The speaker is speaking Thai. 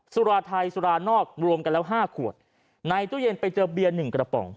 สุราไทยสุรานอกรวมกันแล้วห้าขวดในตู้เย็นไปเจอเบียร์๑กระป๋อง